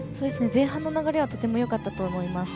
前半の流れはとてもよかったと思います。